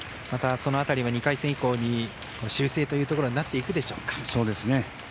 その辺りは２回戦以降に修正というところになっていくでしょうか。